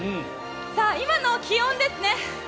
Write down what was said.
さあ、今の気温ですね。